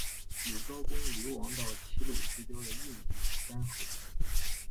鲁昭公流亡到齐鲁之交的郓地和干侯。